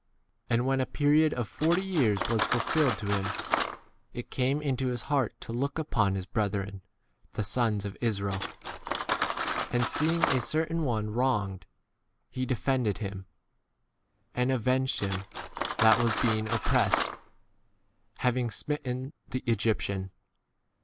And when a period of forty years was fulfilled to him, it came into his heart to look upon his brethren, the sons 24 of Israel ; and seeing a certain one wronged, he defended him, and avenged him that was being oppressed, having smitten the 25 Egyptian.